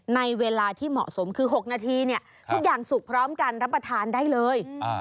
ในเวลาที่เหมาะสมคือ๖นาทีเนี่ยทุกอย่างสุกพร้อมกันรับประทานได้เลย